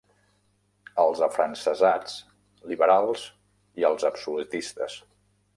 Els afrancesats, liberals, i els absolutistes.